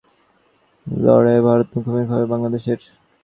বৃহস্পতিবার ফাইনালে ওঠার লড়াইয়ে ভারত মুখোমুখি হবে বাংলাদেশের।